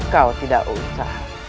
kau tidak usah